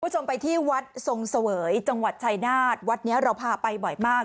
คุณผู้ชมไปที่วัดทรงเสวยจังหวัดชายนาฏวัดนี้เราพาไปบ่อยมาก